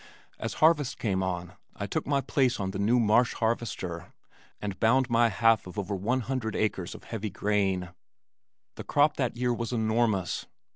As harvest came on I took my place on our new Marsh harvester, and bound my half of over one hundred acres of heavy grain. The crop that year was enormous.